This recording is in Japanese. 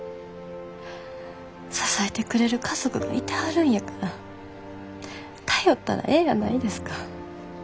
支えてくれる家族がいてはるんやから頼ったらええやないですか。